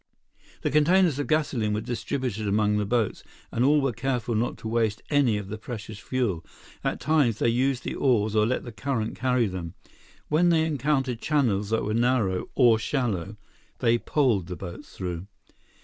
The containers of gasoline were distributed among the boats, and all were careful not to waste any of the precious fuel. At times, they used the oars or let the current carry them. When they encountered channels that were narrow or shallow, they poled the boats through.